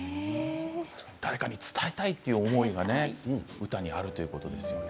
誰かに伝えたいという気持ちが歌にあるということですね。